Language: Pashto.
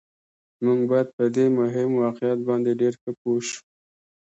موږ باید په دې مهم واقعیت باندې ډېر ښه پوه شو